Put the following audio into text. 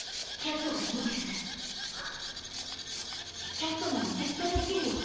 キャットなら絶対できるよ。